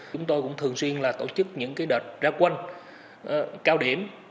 chúng tôi cũng thường xuyên tổ chức những đợt ra quân cao điểm